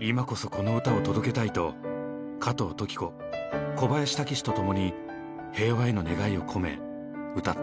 今こそこの歌を届けたいと加藤登紀子小林武史とともに平和への願いを込め歌った。